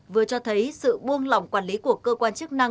vừa cho thấy sự buông lỏng quản lý của cơ quan chức năng